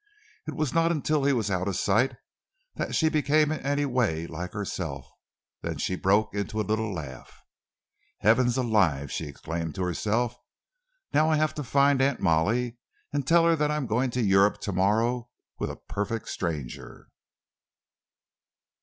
It was not until he was out of sight that she became in any way like herself. Then she broke into a little laugh. "Heavens alive!" she exclaimed to herself. "Now I have to find Aunt Molly and tell her that I am going to Europe to morrow with a perfect stranger!"